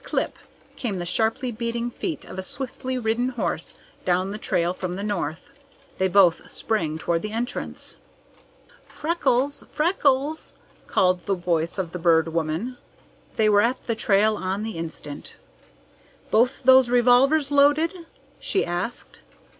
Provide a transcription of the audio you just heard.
clip! came the sharply beating feet of a swiftly ridden horse down the trail from the north. They both sprang toward the entrance. "Freckles! Freckles!" called the voice of the Bird Woman. They were at the trail on the instant. "Both those revolvers loaded?" she asked.